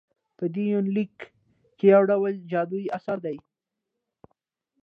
په دې يونليک کې يوډول جادويي اثر دى